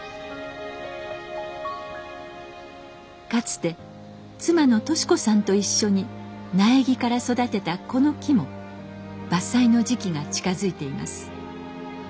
かつて妻の敏子さんと一緒に苗木から育てたこの木も伐採の時期が近づいています。